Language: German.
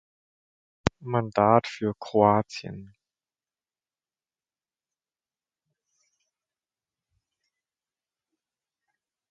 Mandat für Kroatien.